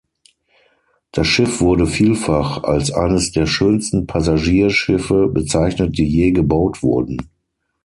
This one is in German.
Das Schiff wurde vielfach als eines der schönsten Passagierschiffe bezeichnet, die je gebaut wurden.